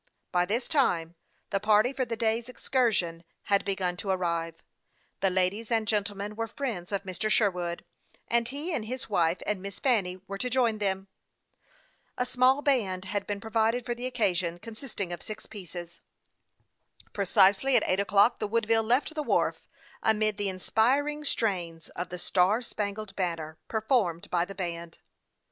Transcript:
By this time the party for the day's excursion had begun to arrive. The ladies and gentlemen were friends of Mr. Sherwood, and he and his wife and Miss Fanny were to join them. A small band had been provided for the occasion, consisting of six pieces, which was placed under the awning on the promenade deck. 256 HASTE AXD WASTE, OR Precisely at eight o'clock the Woodville left the wharf, amid the inspiring strains of the Star span gled Banner, performed by the band.